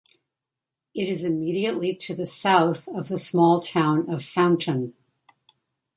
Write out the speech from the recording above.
It is immediately to the south of the small town of Fountain.